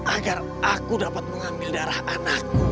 agar aku dapat mengambil darah anakku